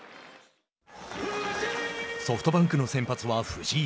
ソフトバンクの先発は藤井。